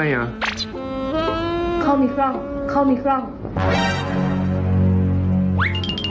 จริงแต่สมัยนี้ไม่ได้แล้ว